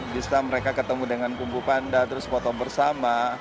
bisa mereka ketemu dengan kung fu panda terus foto bersama